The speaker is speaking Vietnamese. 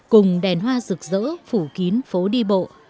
cùng đèn hoa rực rỡ phủ kín phố đi bộ